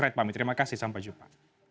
terima kasih sampai jumpa